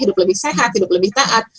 hidup lebih sehat hidup lebih taat